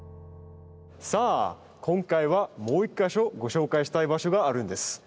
さあ今回はもう一箇所ご紹介したい場所があるんです。